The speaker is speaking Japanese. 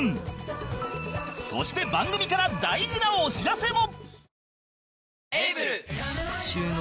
そして番組から大事なお知らせも